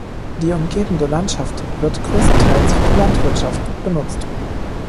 Die umgebende Landschaft wird größtenteils für die Landwirtschaft benutzt.